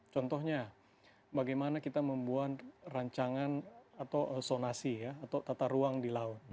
contohnya bagaimana kita membuat rancangan atau sonasi atau tata ruang di laut